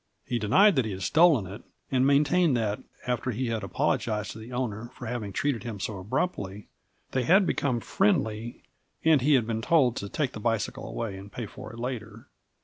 He denied that he had stolen it, and maintained that, after he had apologised to the owner "for having treated him so abruptly," they had become friendly and he had been told to take the bicycle away and pay for it later.